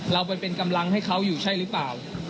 มันเป็นกำลังให้เขาอยู่ใช่หรือเปล่า